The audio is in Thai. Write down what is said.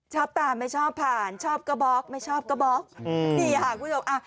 ชอบตามไม่ชอบผ่านชอบกะบอกไม่ชอบกะบอก